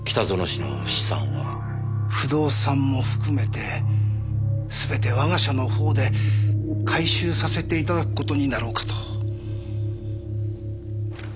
不動産も含めて全て我が社の方で回収させて頂く事になろうかと。